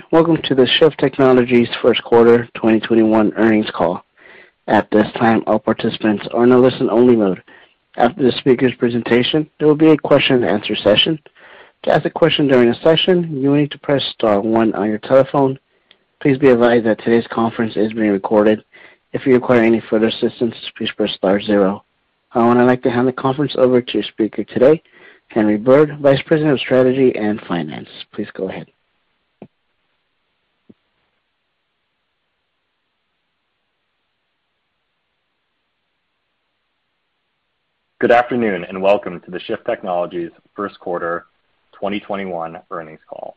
Hi, welcome to the Shift Technologies Q1 2021 Earnings Call. At this time, all participants are in a listen only mode. After the speaker's presentation, there will be a question-and-answer session. To ask a question during the session, you will need to press *1 on your telephone. Please be advised that today's conference is being recorded. If you require any further assistance, please press *0. I would now like to hand the conference over to your speaker today, Henry Bird, Vice President of Strategy and Finance. Please go ahead. Good afternoon, and welcome to the Shift Technologies Q1 2021 earnings call.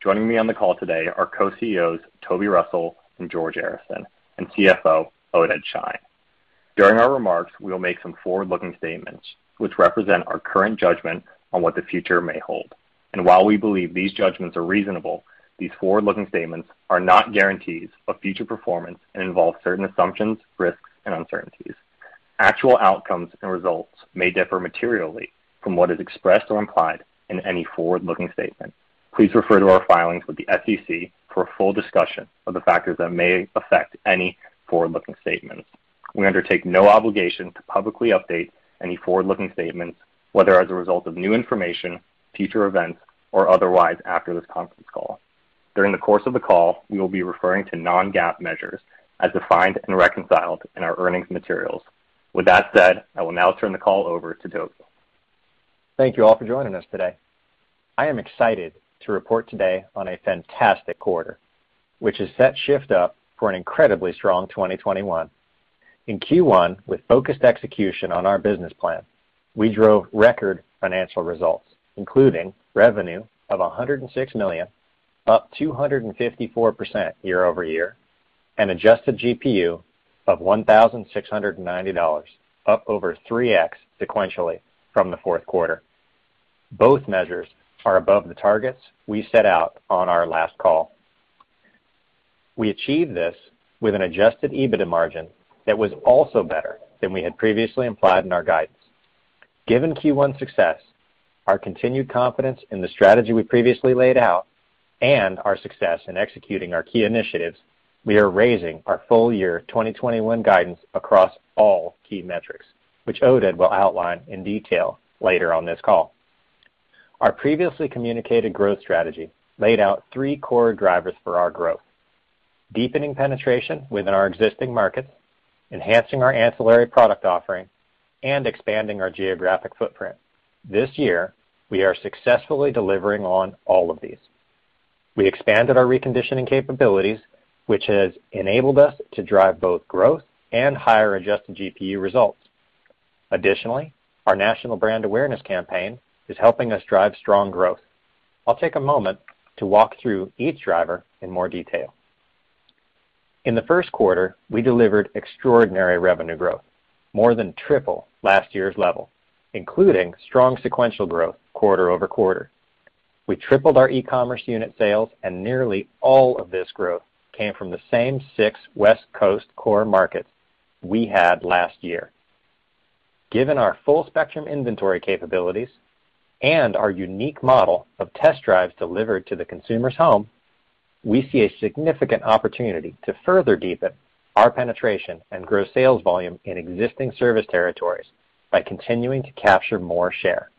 Joining me on the call today are Co-CEOs Toby Russell and George Arison, and CFO Oded Shein. During our remarks, we will make some forward-looking statements which represent our current judgment on what the future may hold. While we believe these judgments are reasonable, these forward-looking statements are not guarantees of future performance and involve certain assumptions, risks, and uncertainties. Actual outcomes and results may differ materially from what is expressed or implied in any forward-looking statement. Please refer to our filings with the SEC for a full discussion of the factors that may affect any forward-looking statements. We undertake no obligation to publicly update any forward-looking statements, whether as a result of new information, future events, or otherwise after this conference call. During the course of the call, we will be referring to non-GAAP measures as defined and reconciled in our earnings materials. With that said, I will now turn the call over to Toby. Thank you all for joining us today. I am excited to report today on a fantastic quarter, which has set Shift up for an incredibly strong 2021. In Q1, with focused execution on our business plan, we drove record financial results, including revenue of $106 million, up 254% year-over-year, and adjusted GPU of $1,690, up over 3x sequentially from the Q1. Both measures are above the targets we set out on our last call. We achieved this with an adjusted EBITDA margin that was also better than we had previously implied in our guidance. Given Q1 success, our continued confidence in the strategy we previously laid out, and our success in executing our key initiatives, we are raising our full year 2021 guidance across all key metrics, which Oded will outline in detail later on this call. Our previously communicated growth strategy laid out three core drivers for our growth. Deepening penetration within our existing markets, enhancing our ancillary product offering, and expanding our geographic footprint. This year, we are successfully delivering on all of these. We expanded our reconditioning capabilities, which has enabled us to drive both growth and higher adjusted GPU results. Additionally, our national brand awareness campaign is helping us drive strong growth. I'll take a moment to walk through each driver in more detail. In the Q1, we delivered extraordinary revenue growth, more than triple last year's level, including strong sequential growth quarter-over-quarter. We tripled our e-commerce unit sales, and nearly all of this growth came from the same six West Coast core markets we had last year. Given our full spectrum inventory capabilities and our unique model of test drives delivered to the consumer's home, we see a significant opportunity to further deepen our penetration and grow sales volume in existing service territories by continuing to capture more share.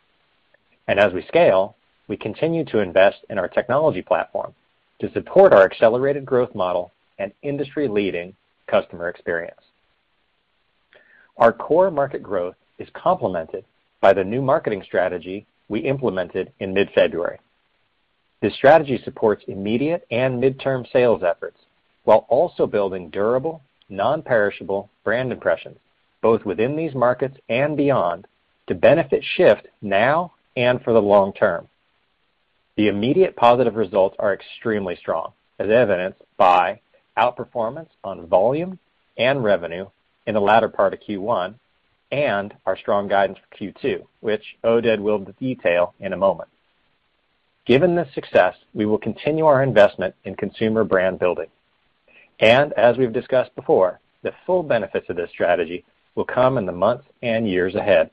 As we scale, we continue to invest in our technology platform to support our accelerated growth model and industry-leading customer experience. Our core market growth is complemented by the new marketing strategy we implemented in mid-February. This strategy supports immediate and midterm sales efforts while also building durable, non-perishable brand impressions, both within these markets and beyond, to benefit Shift Technologies now and for the long term. The immediate positive results are extremely strong, as evidenced by outperformance on volume and revenue in the latter part of Q1 and our strong guidance for Q2, which Oded will detail in a moment. Given this success, we will continue our investment in consumer brand building. As we've discussed before, the full benefits of this strategy will come in the months and years ahead.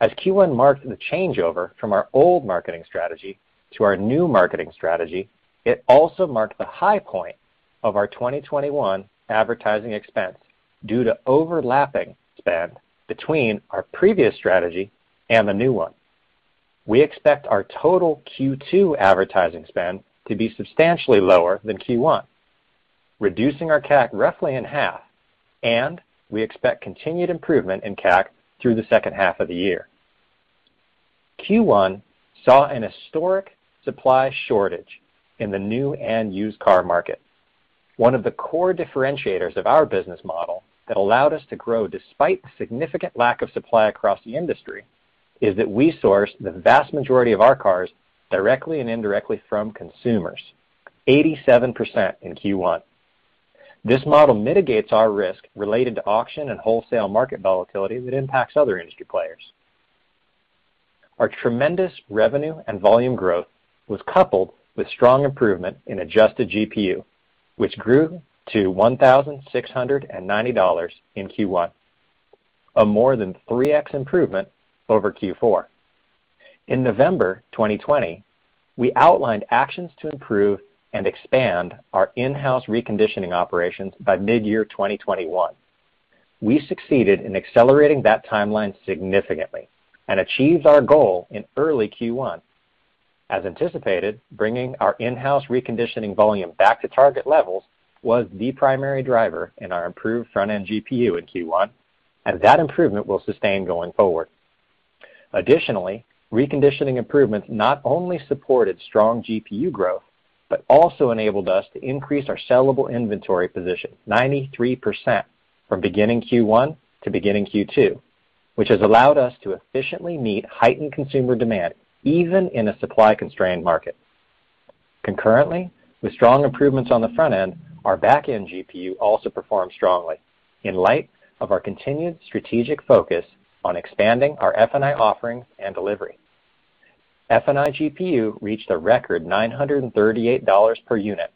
As Q1 marked the changeover from our old marketing strategy to our new marketing strategy, it also marked the high point of our 2021 advertising expense due to overlapping spend between our previous strategy and the new one. We expect our total Q2 advertising spend to be substantially lower than Q1, reducing our CAC roughly in half, and we expect continued improvement in CAC through the second half of the year. Q1 saw an historic supply shortage in the new and used car market. One of the core differentiators of our business model that allowed us to grow despite the significant lack of supply across the industry is that we source the vast majority of our cars directly and indirectly from consumers, 87% in Q1. This model mitigates our risk related to auction and wholesale market volatility that impacts other industry players. Our tremendous revenue and volume growth was coupled with strong improvement in adjusted GPU, which grew to $1,690 in Q1. A more than 3x improvement over Q4. In November 2020, we outlined actions to improve and expand our in-house reconditioning operations by midyear 2021. We succeeded in accelerating that timeline significantly and achieved our goal in early Q1. As anticipated, bringing our in-house reconditioning volume back to target levels was the primary driver in our improved front-end GPU in Q1, and that improvement will sustain going forward. Reconditioning improvements not only supported strong GPU growth, but also enabled us to increase our sellable inventory position 93% from beginning Q1 to beginning Q2, which has allowed us to efficiently meet heightened consumer demand even in a supply-constrained market. With strong improvements on the front end, our back-end GPU also performed strongly in light of our continued strategic focus on expanding our F&I offering and delivery. F&I GPU reached a record $938 per unit,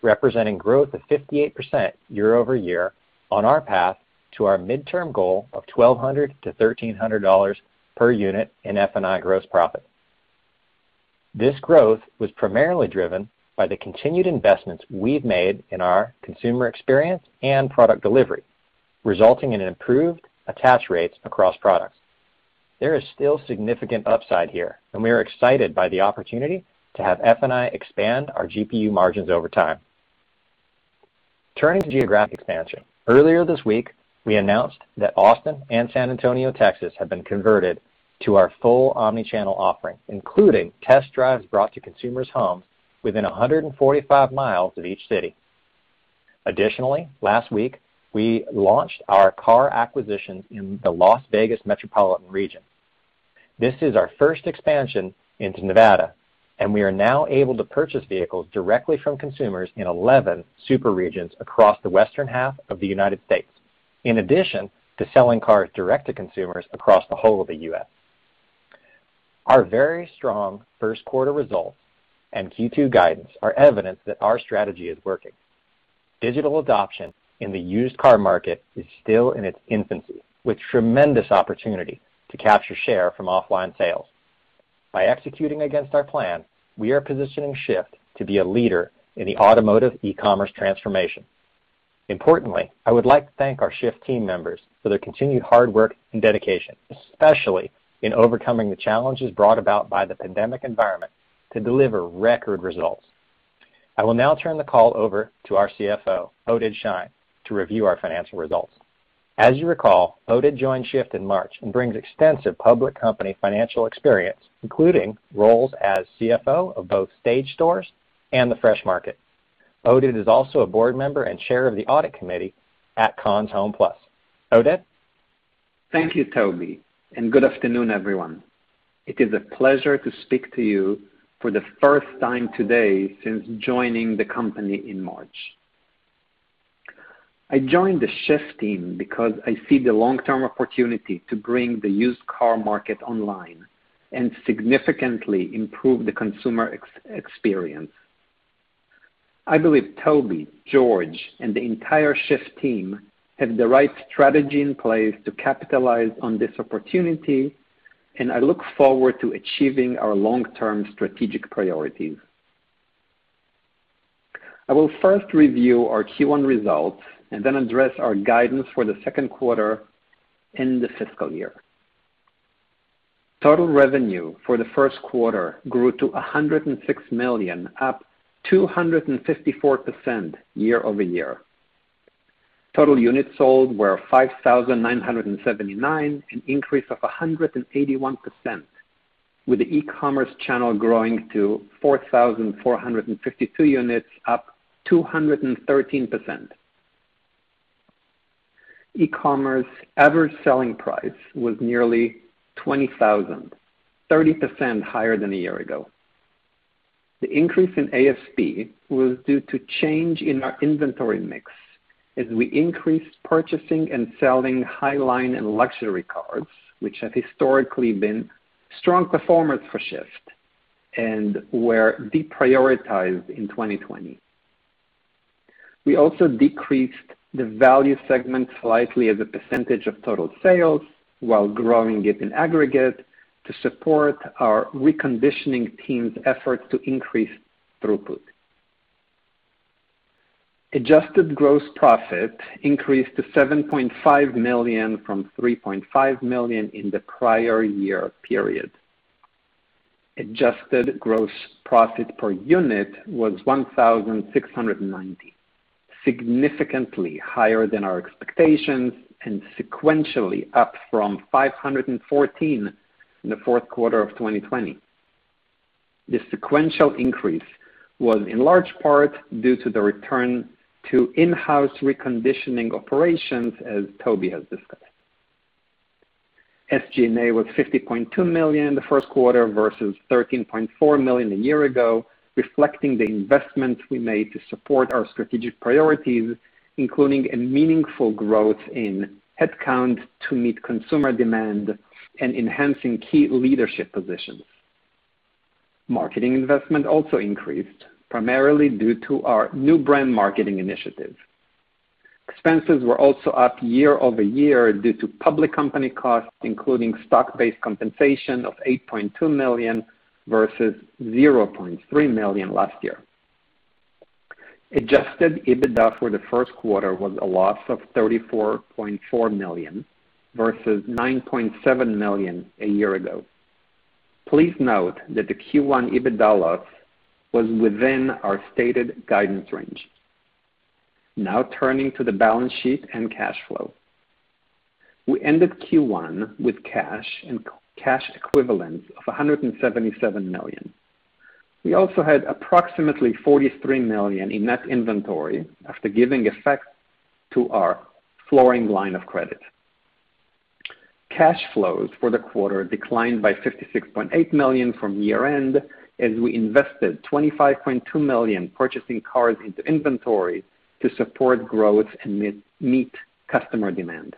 representing growth of 58% year-over-year on our path to our midterm goal of $1,200-$1,300 per unit in F&I gross profit. This growth was primarily driven by the continued investments we've made in our consumer experience and product delivery, resulting in improved attach rates across products. There is still significant upside here, and we are excited by the opportunity to have F&I expand our GPU margins over time. Turning to geographic expansion, earlier this week we announced that Austin and San Antonio, Texas, have been converted to our full omni-channel offering, including test drives brought to consumers' homes within 145 miles of each city. Additionally, last week we launched our car acquisition in the Las Vegas metropolitan region. This is our first expansion into Nevada, and we are now able to purchase vehicles directly from consumers in 11 super regions across the western half of the United States. In addition to selling cars direct to consumers across the whole of the U.S. Our very strong Q1 results and Q2 guidance are evidence that our strategy is working. Digital adoption in the used car market is still in its infancy, with tremendous opportunity to capture share from offline sales. By executing against our plan, we are positioning Shift to be a leader in the automotive e-commerce transformation. Importantly, I would like to thank our Shift team members for their continued hard work and dedication, especially in overcoming the challenges brought about by the pandemic environment to deliver record results. I will now turn the call over to our CFO, Oded Shein, to review our financial results. As you recall, Oded joined Shift in March and brings extensive public company financial experience, including roles as CFO of both Stage Stores and The Fresh Market. Oded is also a board member and chair of the audit committee at Conn's HomePlus. Oded? Thank you, Toby, and good afternoon, everyone. It is a pleasure to speak to you for the first time today since joining the company in March. I joined the Shift team because I see the long-term opportunity to bring the used car market online and significantly improve the consumer experience. I believe Toby, George, and the entire Shift team have the right strategy in place to capitalize on this opportunity, and I look forward to achieving our long-term strategic priorities. I will first review our Q1 results and then address our guidance for the Q2 and the fiscal year. Total revenue for the Q1 grew to $106 million, up 254% year-over-year. Total units sold were 5,979, an increase of 181%, with the e-commerce channel growing to 4,452 units, up 213%. E-commerce average selling price was nearly $20,000, 30% higher than a year ago. The increase in ASP was due to change in our inventory mix as we increased purchasing and selling highline and luxury cars, which have historically been strong performers for Shift and were deprioritized in 2020. We also decreased the value segment slightly as a percentage of total sales while growing it in aggregate to support our reconditioning team's efforts to increase throughput. Adjusted gross profit increased to $7.5 million from $3.5 million in the prior year period. Adjusted gross profit per unit was $1,690, significantly higher than our expectations, and sequentially up from $514 in the Q4 of 2020. The sequential increase was in large part due to the return to in-house reconditioning operations, as Toby has discussed. SG&A was $50.2 million the Q4 versus $13.4 million a year ago, reflecting the investment we made to support our strategic priorities, including a meaningful growth in headcount to meet consumer demand and enhancing key leadership positions. Marketing investment also increased primarily due to our new brand marketing initiatives. Expenses were also up year-over-year due to public company costs, including stock-based compensation of $8.2 million versus $0.3 million last year. Adjusted EBITDA for the Q1 was a loss of $34.4 million versus $9.7 million a year ago. Please note that the Q1 EBITDA loss was within our stated guidance range. Turning to the balance sheet and cash flow. We ended Q1 with cash and cash equivalents of $177 million. We also had approximately $43 million in net inventory after giving effect to our flooring line of credit. Cash flows for the quarter declined by $56.8 million from year-end as we invested $25.2 million purchasing cars into inventory to support growth and meet customer demand.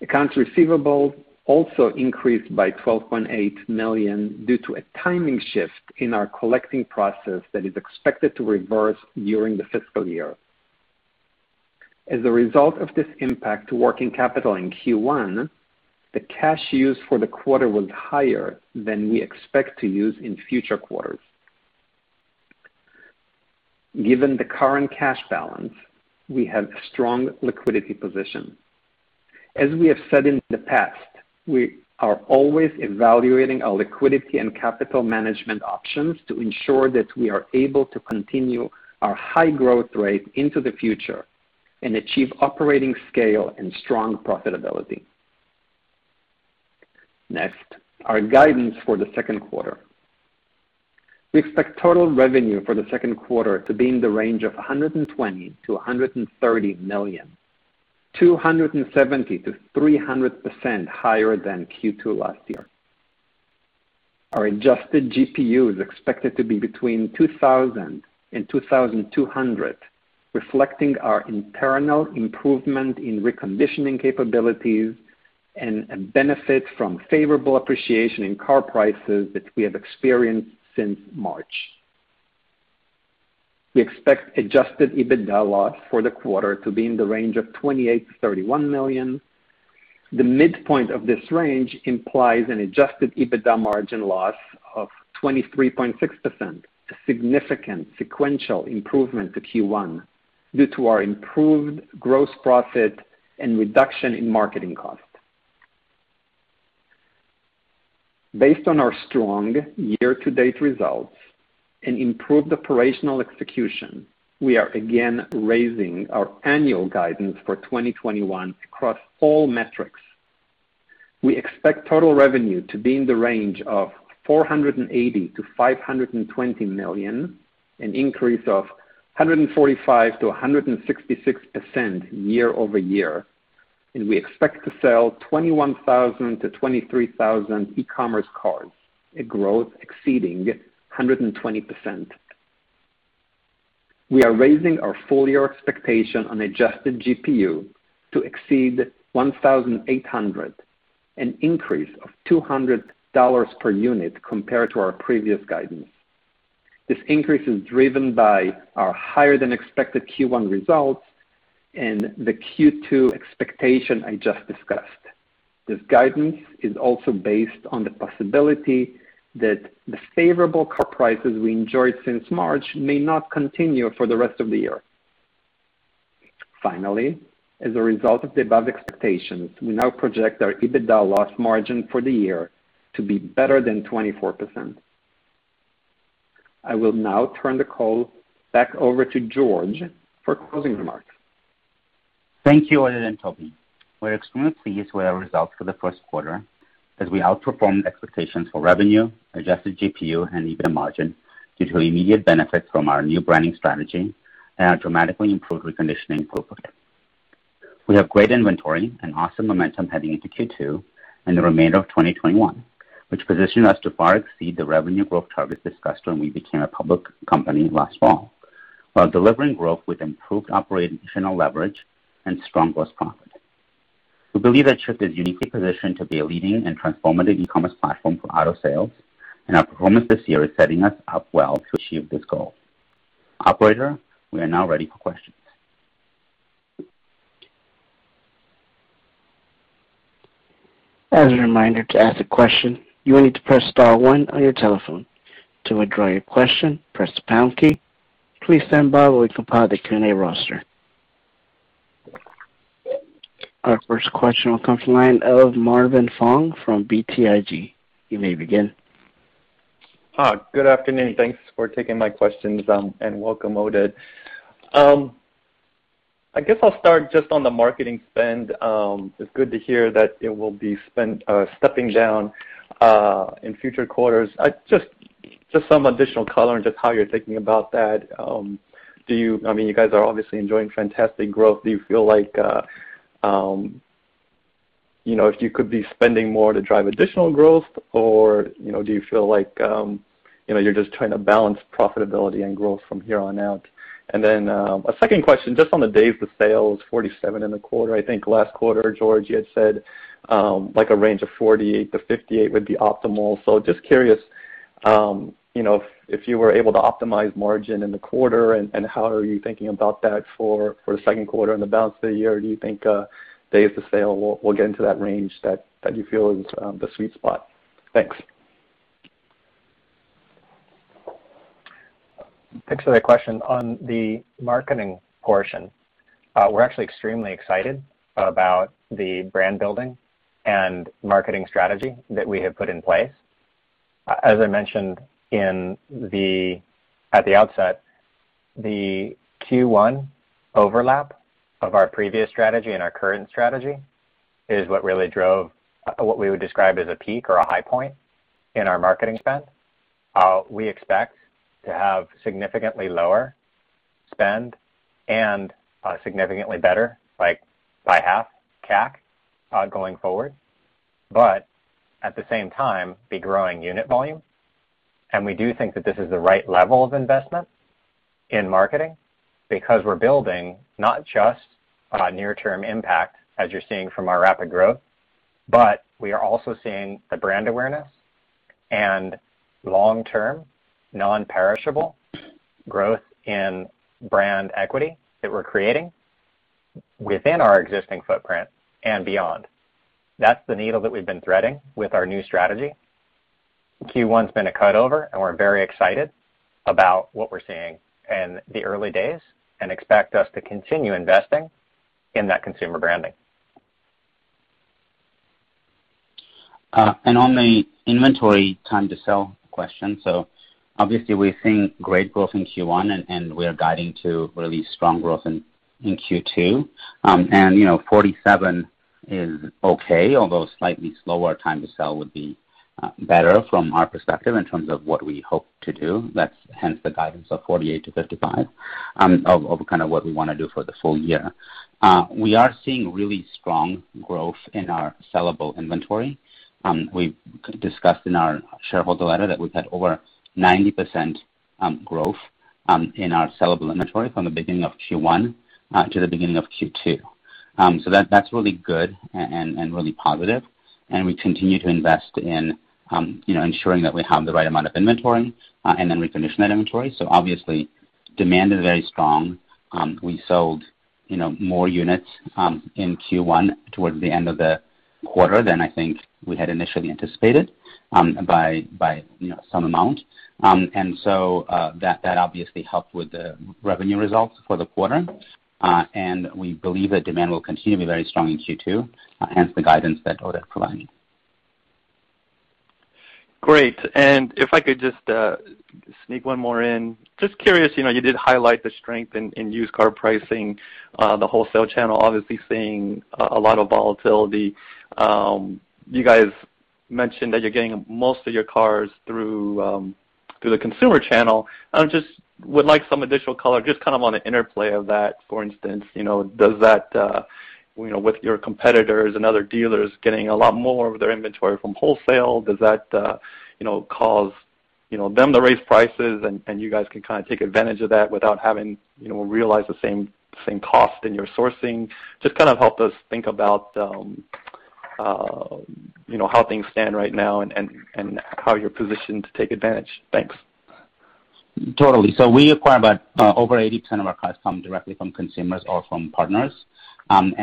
Accounts receivable also increased by $12.8 million due to a timing shift in our collecting process that is expected to reverse during the fiscal year. As a result of this impact to working capital in Q1, the cash used for the quarter was higher than we expect to use in future quarters. Given the current cash balance, we have strong liquidity position. As we have said in the past, we are always evaluating our liquidity and capital management options to ensure that we are able to continue our high growth rate into the future and achieve operating scale and strong profitability. Next, our guidance for the Q2. We expect total revenue for the Q2 to be in the range of $120 million-$130 million, 270%-300% higher than Q2 last year. Our adjusted GPU is expected to be between $2,000 and $2,200, reflecting our internal improvement in reconditioning capabilities and a benefit from favorable appreciation in car prices that we have experienced since March. We expect adjusted EBITDA loss for the quarter to be in the range of $28 million-$31 million. The midpoint of this range implies an adjusted EBITDA margin loss of 23.6%, a significant sequential improvement to Q1 due to our improved gross profit and reduction in marketing costs. Based on our strong year-to-date results and improved operational execution, we are again raising our annual guidance for 2021 across all metrics. We expect total revenue to be in the range of $480 million-$520 million, an increase of 145%-166% year-over-year, and we expect to sell 21,000-23,000 e-commerce cars, a growth exceeding 120%. We are raising our full-year expectation on adjusted GPU to exceed $1,800, an increase of $200 per unit compared to our previous guidance. This increase is driven by our higher-than-expected Q1 results and the Q2 expectation I just discussed. This guidance is also based on the possibility that the favorable car prices we enjoyed since March may not continue for the rest of the year. As a result of the above expectations, we now project our EBITDA loss margin for the year to be better than 24%. I will now turn the call back over to George for closing remarks. Thank you, Oded and Toby. We're extremely pleased with our results for the Q1 as we outperformed expectations for revenue, adjusted GPU, and EBITDA margin due to immediate benefits from our new branding strategy and our dramatically improved reconditioning throughput. We have great inventory and awesome momentum heading into Q2 and the remainder of 2021, which positioned us to far exceed the revenue growth targets discussed when we became a public company last fall, while delivering growth with improved operational leverage and strong gross profit. We believe that Shift Technologies is uniquely positioned to be a leading and transformative e-commerce platform for auto sales, and our performance this year is setting us up well to achieve this goal. Operator, we are now ready for questions. As a reminder, to ask a question, you will need to press *1 on your telephone. To withdraw your question, press the # key. Please stand by while we compile the Q&A roster. Our first question will come from the line of Marvin Fong from BTIG. You may begin. Hi. Good afternoon. Thanks for taking my questions, and welcome, Oded. I guess I'll start just on the marketing spend. It's good to hear that it will be stepping down in future quarters. Just some additional color on just how you're thinking about that. You guys are obviously enjoying fantastic growth. Do you feel like if you could be spending more to drive additional growth, or do you feel like you're just trying to balance profitability and growth from here on out. A second question, just on the days the sale is 47 in the quarter. I think last quarter, George, you had said, like a range of 48 to 58 would be optimal. Just curious, if you were able to optimize margin in the quarter, and how are you thinking about that for the Q2 and the balance of the year? Do you think days to sale will get into that range that you feel is the sweet spot? Thanks. Thanks for that question. On the marketing portion, we're actually extremely excited about the brand-building and marketing strategy that we have put in place. As I mentioned at the outset, the Q1 overlap of our previous strategy and our current strategy is what really drove what we would describe as a peak or a high point in our marketing spend. We expect to have significantly lower spend and significantly better, by half, CAC, going forward. At the same time, be growing unit volume. We do think that this is the right level of investment in marketing because we're building not just a near-term impact, as you're seeing from our rapid growth, but we are also seeing the brand awareness and long-term, non-perishable growth in brand equity that we're creating within our existing footprint and beyond. That's the needle that we've been threading with our new strategy. Q1's been a cutover, and we're very excited about what we're seeing in the early days and expect us to continue investing in that consumer branding. On the inventory time to sell question. Obviously we're seeing great growth in Q1, and we're guiding to really strong growth in Q2. 47 is okay, although slightly slower time to sell would be better from our perspective in terms of what we hope to do. That's hence the guidance of 48 to 55 of what we want to do for the full year. We are seeing really strong growth in our sellable inventory. We discussed in our shareholder letter that we've had over 90% growth in our sellable inventory from the beginning of Q1 to the beginning of Q2. That's really good and really positive, and we continue to invest in ensuring that we have the right amount of inventory and then recondition that inventory. Obviously, demand is very strong. We sold more units in Q1 towards the end of the quarter than I think we had initially anticipated by some amount. That obviously helped with the revenue results for the quarter. We believe that demand will continue to be very strong in Q2, hence the guidance that Oded provided. Great. If I could just sneak one more in. Just curious, you did highlight the strength in used car pricing. The wholesale channel obviously seeing a lot of volatility. You guys mentioned that you're getting most of your cars through the consumer channel. I just would like some additional color just on the interplay of that. For instance, with your competitors and other dealers getting a lot more of their inventory from wholesale, does that cause them to raise prices and you guys can take advantage of that without having realized the same cost in your sourcing? Just help us think about how things stand right now and how you're positioned to take advantage. Thanks. Totally. We acquire about over 80% of our cars come directly from consumers or from partners.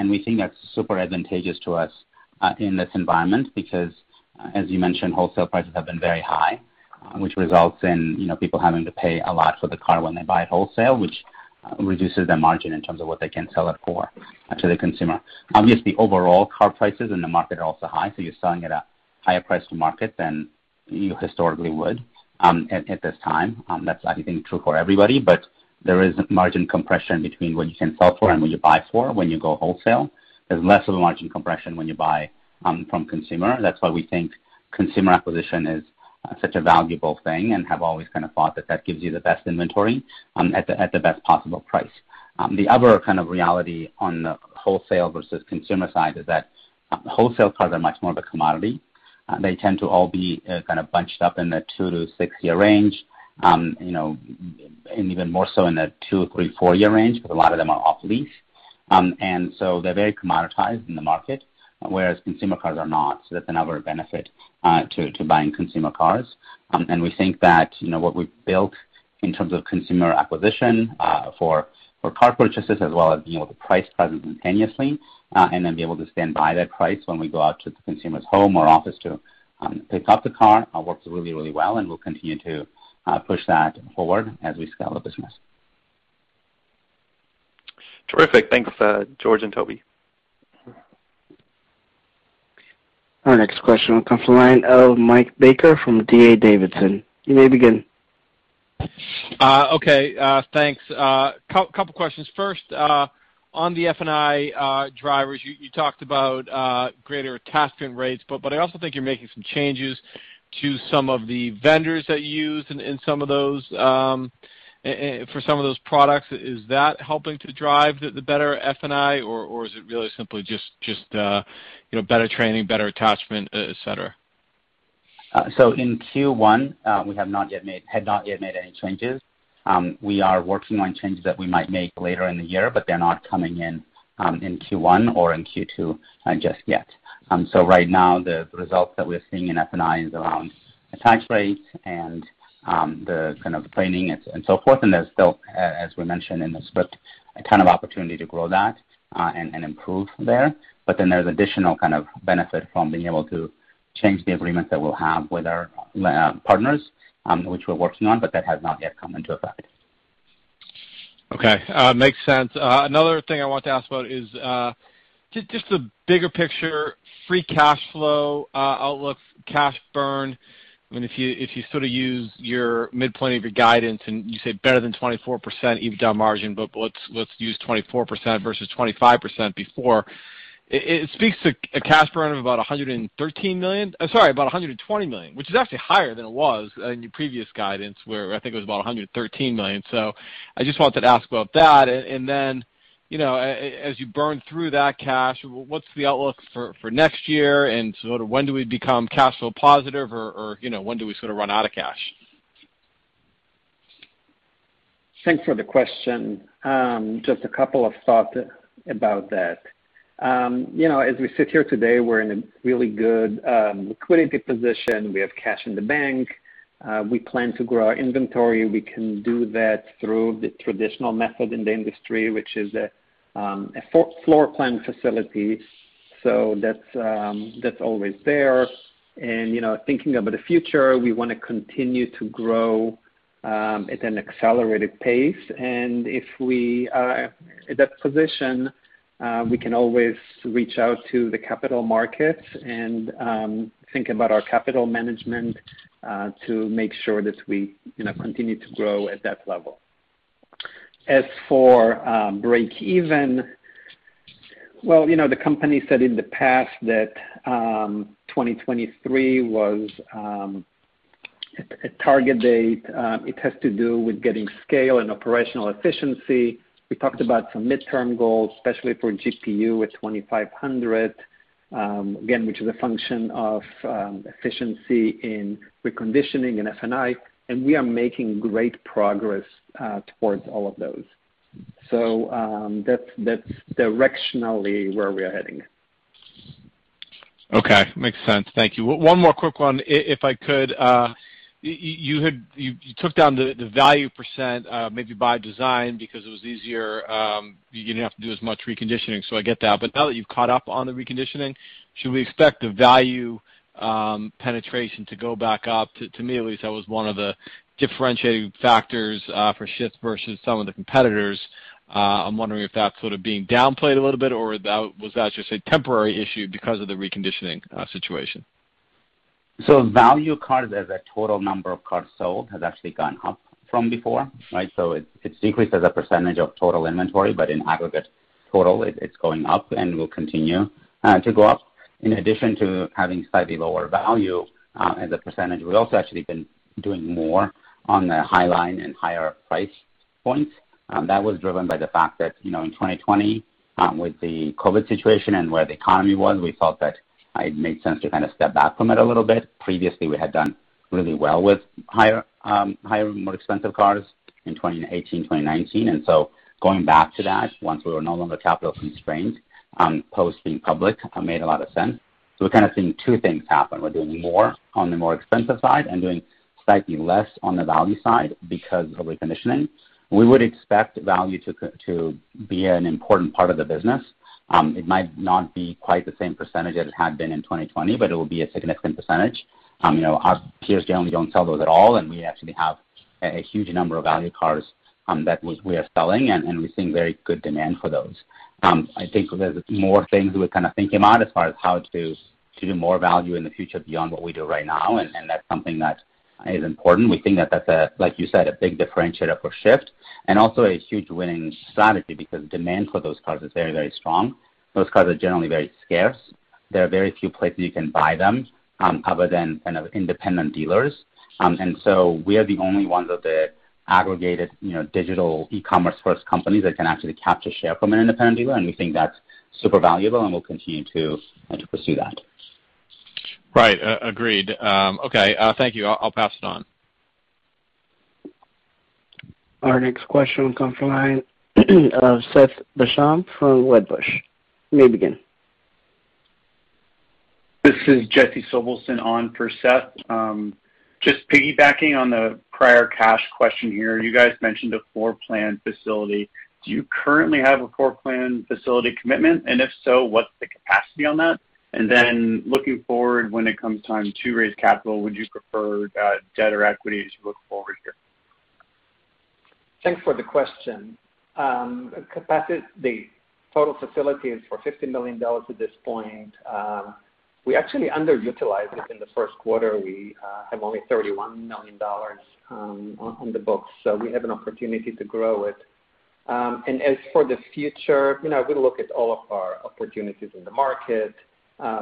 We think that's super advantageous to us in this environment because, as you mentioned, wholesale prices have been very high, which results in people having to pay a lot for the car when they buy it wholesale, which reduces their margin in terms of what they can sell it for to the consumer. Obviously, overall car prices in the market are also high, you're selling at a higher price to market than you historically would at this time. That's, I think, true for everybody, there is margin compression between what you can sell for and what you buy for when you go wholesale. There's less of a margin compression when you buy from consumer. That's why we think consumer acquisition is such a valuable thing and have always thought that that gives you the best inventory at the best possible price. The other reality on the wholesale versus consumer side is that wholesale cars are much more of a commodity. They tend to all be bunched up in the two to six-year range, and even more so in the two or three, four-year range because a lot of them are off lease. They're very commoditized in the market, whereas consumer cars are not. That's another benefit to buying consumer cars. We think that what we've built in terms of consumer acquisition for car purchases as well as the price present simultaneously, and then be able to stand by that price when we go out to the consumer's home or office to pick up the car works really well, and we'll continue to push that forward as we scale the business. Terrific. Thanks, George and Toby. Our next question comes from the line of Michael Baker from D.A. Davidson. You may begin. Okay, thanks. Couple questions. First, on the F&I drivers, you talked about greater attachment rates. I also think you're making some changes to some of the vendors that you use for some of those products. Is that helping to drive the better F&I, or is it really simply just better training, better attachment, et cetera? In Q1, we had not yet made any changes. We are working on changes that we might make later in the year, but they're not coming in in Q1 or in Q2 just yet. Right now the results that we're seeing in F&I is around attach rates and the kind of training and so forth, and there's still, as we mentioned in the script, a ton of opportunity to grow that and improve there. There's additional benefit from being able to change the agreement that we'll have with our partners which we're working on, but that has not yet come into effect. Okay. Makes sense. Another thing I want to ask about is just the bigger picture, free cash flow, outlook, cash burn. If you use your mid-point of your guidance and you say better than 24% EBITDA margin, but let's use 24% versus 25% before, it speaks to a cash burn of about $113 million. Sorry, about $120 million, which is actually higher than it was in your previous guidance where I think it was about $113 million. I just wanted to ask about that. Then, as you burn through that cash, what's the outlook for next year and when do we become cash flow positive or when do we run out of cash? Thanks for the question. Just a couple of thoughts about that. As we sit here today, we're in a really good liquidity position. We have cash in the bank. We plan to grow our inventory. We can do that through the traditional method in the industry, which is a floor plan facility. That's always there. Thinking about the future, we want to continue to grow at an accelerated pace. If we are at that position, we can always reach out to the capital markets and think about our capital management to make sure that we continue to grow at that level. As for break even, well, the company said in the past that 2023 was a target date. It has to do with getting scale and operational efficiency. We talked about some midterm goals, especially for GPU with $2,500, again, which is a function of efficiency in reconditioning and F&I, and we are making great progress towards all of those. That's directionally where we are heading. Okay. Makes sense. Thank you. One more quick one, if I could. You took down the value %, maybe by design because it was easier. You didn't have to do as much reconditioning. I get that. Now that you've caught up on the reconditioning, should we expect the value penetration to go back up? To me, at least, that was one of the differentiating factors for Shift versus some of the competitors. I'm wondering if that's sort of being downplayed a little bit, or was that just a temporary issue because of the reconditioning situation? Value cars as a total number of cars sold has actually gone up from before, right? It's decreased as a percentage of total inventory, but in aggregate total, it's going up and will continue to go up. In addition to having slightly lower value as a percentage, we've also actually been doing more on the high line and higher price points. That was driven by the fact that in 2020, with the COVID situation and where the economy was, we felt that it made sense to step back from it a little bit. Previously, we had done really well with higher and more expensive cars in 2018, 2019. Going back to that once we were no longer capital constrained, post being public made a lot of sense. We're kind of seeing two things happen. We're doing more on the more expensive side and doing slightly less on the value side because of reconditioning. We would expect value to be an important part of the business. It might not be quite the same percentage as it had been in 2020, but it will be a significant percentage. Our peers generally don't sell those at all, and we actually have a huge number of value cars that we are selling, and we're seeing very good demand for those. I think there's more things we're thinking about as far as how to do more value in the future beyond what we do right now, and that's something that is important. We think that that's a, like you said, a big differentiator for Shift and also a huge winning strategy because demand for those cars is very strong. Those cars are generally very scarce. There are very few places you can buy them other than independent dealers. We are the only ones of the aggregated digital e-commerce first companies that can actually capture share from an independent dealer, and we think that's super valuable, and we'll continue to pursue that. Right. Agreed. Okay. Thank you. I'll pass it on. Our next question will come from the line of Seth Basham from Wedbush. You may begin. This is Jesse Sobelson on for Seth. Piggybacking on the prior cash question here. You guys mentioned a floor plan facility. Do you currently have a floor plan facility commitment? If so, what's the capacity on that? Looking forward, when it comes time to raise capital, would you prefer debt or equity as you look forward here? Thanks for the question. The total facility is for $50 million at this point. We actually underutilized it in the Q1. We have only $31 million on the books. We have an opportunity to grow it. As for the future, we look at all of our opportunities in the market,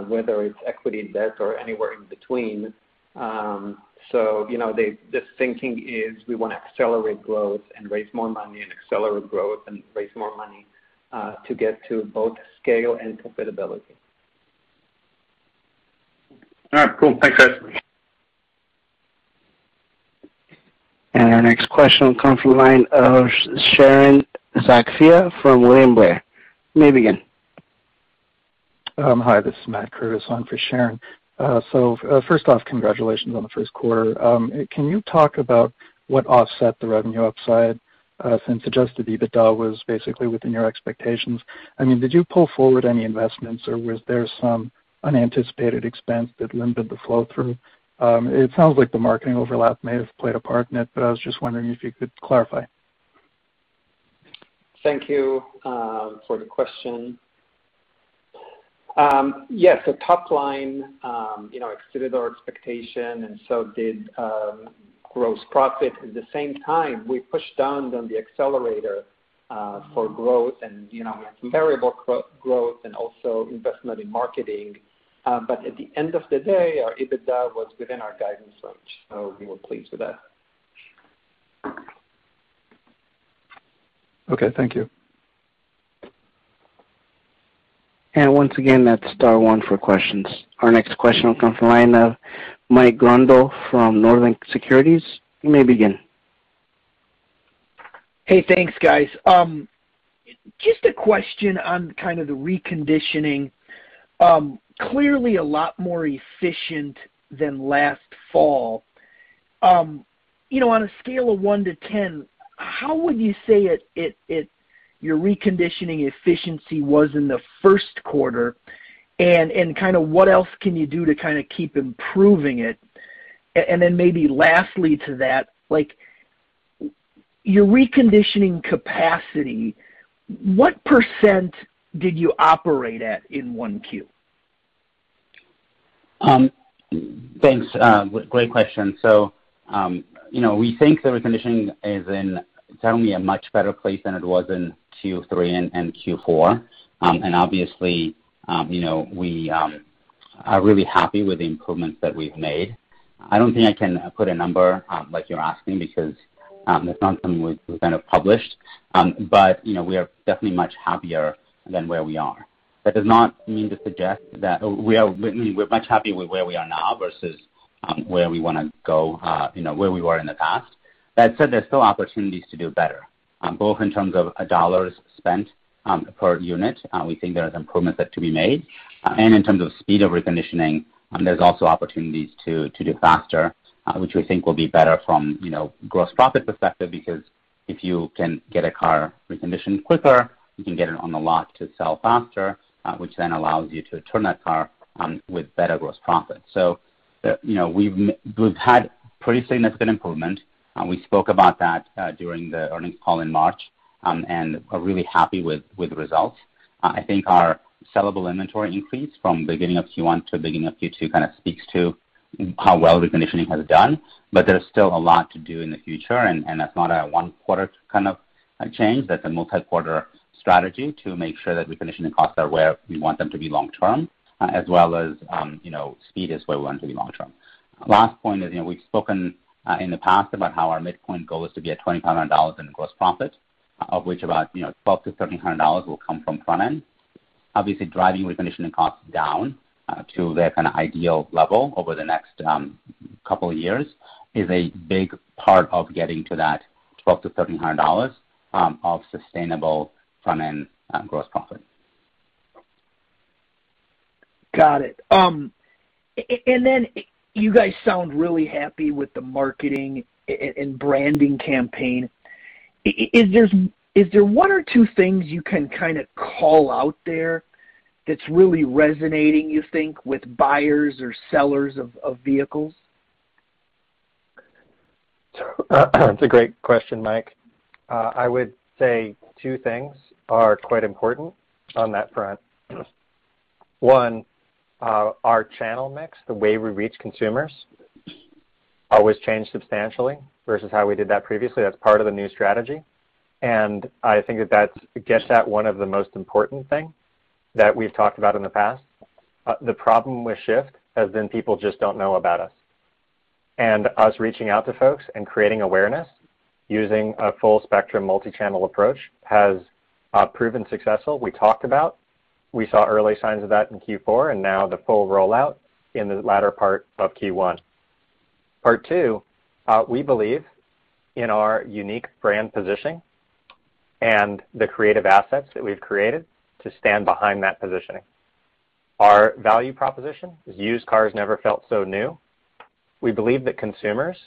whether it's equity, debt, or anywhere in between. The thinking is we want to accelerate growth and raise more money and accelerate growth and raise more money to get to both scale and profitability. All right, cool. Thanks, guys. Our next question will come from the line of Sharon Zackfia from William Blair. You may begin. Hi, this is Matt Curtis in for Sharon. First off, congratulations on the Q1. Can you talk about what offset the revenue upside, since adjusted EBITDA was basically within your expectations? I mean, did you pull forward any investments, or was there some unanticipated expense that limited the flow-through? It sounds like the marketing overlap may have played a part in it. I was just wondering if you could clarify. Thank you for the question. Yes. Top line exceeded our expectation and so did gross profit. At the same time, we pushed down on the accelerator for growth, and we had some variable growth and also investment in marketing. At the end of the day, our EBITDA was within our guidance range, so we were pleased with that. Okay, thank you. Once again, that's *1 for questions. Our next question will come from the line of Mike Grondahl from Northland Securities. You may begin. Hey, thanks, guys. Just a question on kind of the reconditioning. Clearly a lot more efficient than last fall. On a scale of one to 10, how would you say your reconditioning efficiency was in the Q1, and kind of what else can you do to kind of keep improving it? Maybe lastly to that, your reconditioning capacity, what % did you operate at in 1Q? Thanks. Great question. We think the reconditioning is in certainly a much better place than it was in Q3 and Q4. Obviously, we are really happy with the improvements that we've made. I don't think I can put a number like you're asking because it's not something we've kind of published, but we are definitely much happier than where we are. That does not mean to suggest that we are much happy with where we are now versus where we want to go, where we were in the past. There's still opportunities to do better, both in terms of dollars spent per unit, we think there are improvements that to be made. In terms of speed of reconditioning, there's also opportunities to do faster, which we think will be better from gross profit perspective because if you can get a car reconditioned quicker, you can get it on the lot to sell faster, which then allows you to turn that car with better gross profit. We've had pretty significant improvement. We spoke about that during the earnings call in March, and are really happy with the results. I think our sellable inventory increased from beginning of Q1 to beginning of Q2, kind of speaks to how well reconditioning has done, but there's still a lot to do in the future, and that's not a one quarter kind of change. That's a multi-quarter strategy to make sure that reconditioning costs are where we want them to be long term, as well as speed is where we want to be long term. Last point is, we've spoken in the past about how our midpoint goal is to be at $2,500 in gross profit, of which about $1,200-$1,300 will come from front end. Obviously, driving reconditioning costs down to that kind of ideal level over the next couple of years is a big part of getting to that $1,200-$1,300 of sustainable front-end gross profit. Got it. You guys sound really happy with the marketing and branding campaign. Is there one or two things you can kind of call out there that's really resonating, you think, with buyers or sellers of vehicles? That's a great question, Mike. I would say two things are quite important on that front. One, our channel mix, the way we reach consumers always changed substantially versus how we did that previously. That's part of the new strategy, I think that gets at one of the most important thing that we've talked about in the past. The problem with Shift has been people just don't know about us. Us reaching out to folks and creating awareness using a full spectrum multi-channel approach has proven successful. We talked about, we saw early signs of that in Q4, and now the full rollout in the latter part of Q1. Part two, we believe in our unique brand positioning and the creative assets that we've created to stand behind that positioning. Our value proposition is used cars never felt so new. We believe that consumers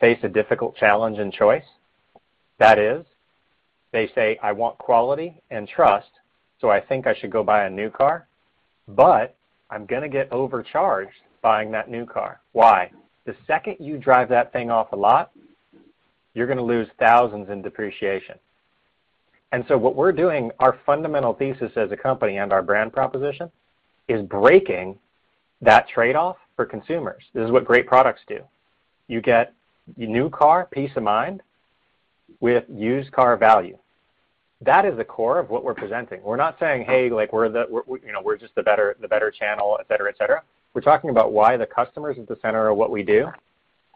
face a difficult challenge and choice. That is, they say, "I want quality and trust, so I think I should go buy a new car, but I'm going to get overcharged buying that new car." Why? The second you drive that thing off a lot, you're going to lose thousands in depreciation. What we're doing, our fundamental thesis as a company and our brand proposition is breaking that trade-off for consumers. This is what great products do. You get new car peace of mind with used car value. That is the core of what we're presenting. We're not saying, "Hey, we're just the better channel," et cetera. We're talking about why the customer is at the center of what we do.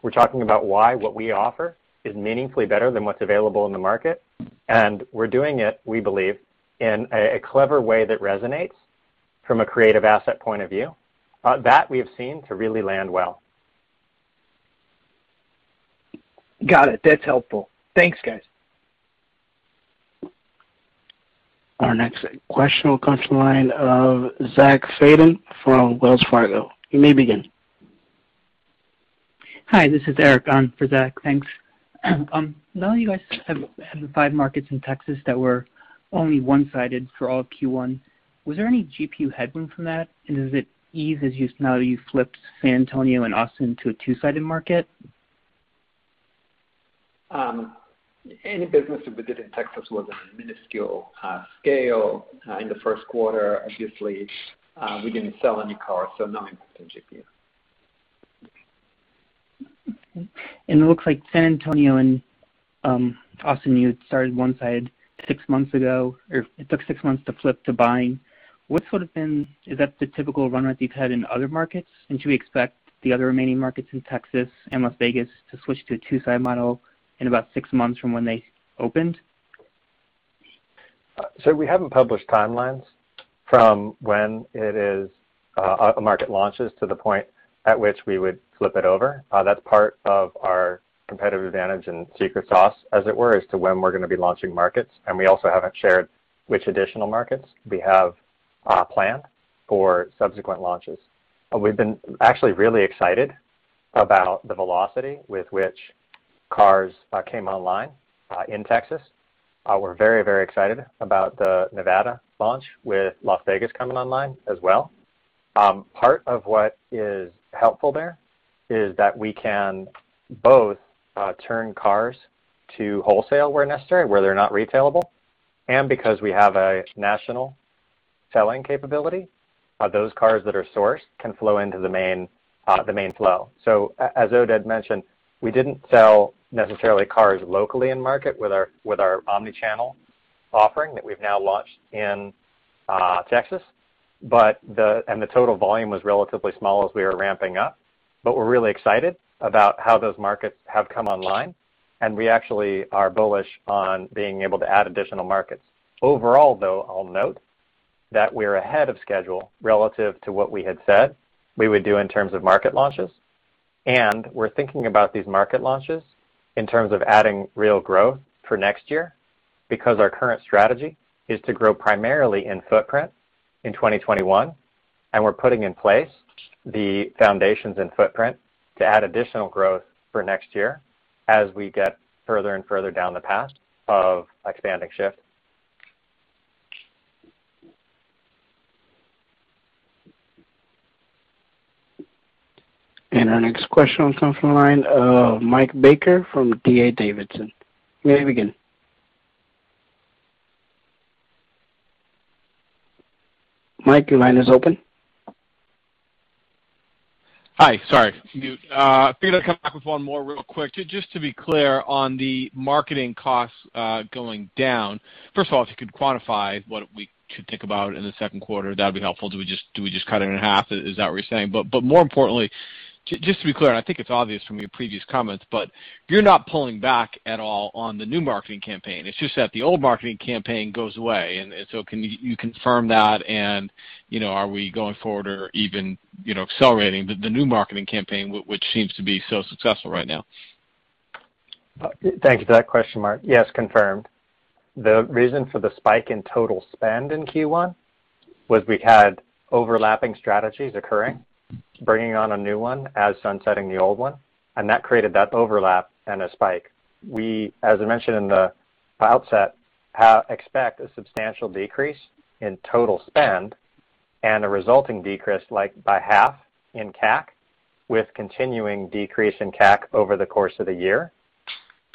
We're talking about why what we offer is meaningfully better than what's available in the market. We're doing it, we believe, in a clever way that resonates from a creative asset point of view, that we have seen to really land well. Got it. That's helpful. Thanks, guys. Our next question will come from the line of Zachary Fadem from Wells Fargo. You may begin. Hi, this is Eric on for Zach. Thanks. Now that you guys have had the five markets in Texas that were only one-sided for all of Q1, was there any GPU headwind from that? Does it ease as you've now flipped San Antonio and Austin to a two-sided market? Any business that we did in Texas was on a minuscule scale in the Q1. Obviously, we didn't sell any cars, so no impact on GPU. Okay. It looks like San Antonio and Austin, you had started one side six months ago, or it took six months to flip to buying. What sort of been? Is that the typical run rate you've had in other markets? Should we expect the other remaining markets in Texas and Las Vegas to switch to a two-side model in about six months from when they opened? We haven't published timelines from when a market launches to the point at which we would flip it over. That's part of our competitive advantage and secret sauce, as it were, as to when we're going to be launching markets. We also haven't shared which additional markets we have planned for subsequent launches. We've been actually really excited about the velocity with which cars came online in Texas. We're very excited about the Nevada launch with Las Vegas coming online as well. Part of what is helpful there is that we can both turn cars to wholesale where necessary, where they're not retailable. Because we have a national selling capability, those cars that are sourced can flow into the main flow. As Oded mentioned, we didn't sell necessarily cars locally in market with our omni-channel offering that we've now launched in Texas. The total volume was relatively small as we were ramping up. We're really excited about how those markets have come online, and we actually are bullish on being able to add additional markets. Overall, though, I'll note that we're ahead of schedule relative to what we had said we would do in terms of market launches. We're thinking about these market launches in terms of adding real growth for next year, because our current strategy is to grow primarily in footprint in 2021. We're putting in place the foundations and footprint to add additional growth for next year as we get further and further down the path of expanding Shift. Our next question comes from the line of Michael Baker from D.A. Davidson. You may begin. Michael, your line is open. Hi. Sorry. Figured I'd come back with one more real quick. Just to be clear on the marketing costs going down. First of all, if you could quantify what we should think about in the Q2, that would be helpful. Do we just cut it in half? Is that what you're saying? More importantly, just to be clear, and I think it's obvious from your previous comments, but you're not pulling back at all on the new marketing campaign. It's just that the old marketing campaign goes away. Can you confirm that? Are we going forward or even accelerating the new marketing campaign, which seems to be so successful right now? Thank you for that question, Michael. Yes, confirmed. The reason for the spike in total spend in Q1 was we had overlapping strategies occurring, bringing on a new one as sunsetting the old one, and that created that overlap and a spike. We, as I mentioned in the outset, expect a substantial decrease in total spend and a resulting decrease like by half in CAC with continuing decrease in CAC over the course of the year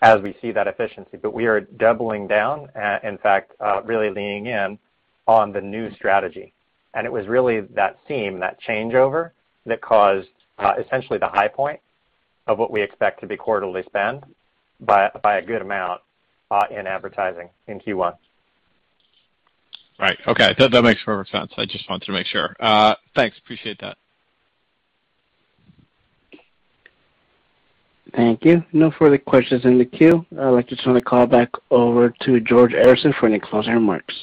as we see that efficiency. We are doubling down, in fact, really leaning in on the new strategy. It was really that seam, that changeover, that caused essentially the high point of what we expect to be quarterly spend by a good amount in advertising in Q1. Right. Okay. That makes perfect sense. I just wanted to make sure. Thanks. Appreciate that. Thank you. No further questions in the queue. I'd like to turn the call back over to George Arison for any closing remarks.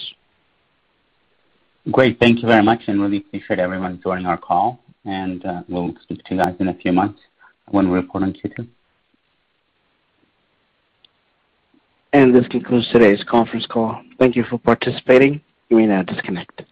Great. Thank you very much, and really appreciate everyone joining our call. We'll speak to you guys in a few months when we report on Q2. This concludes today's conference call. Thank you for participating. You may now disconnect.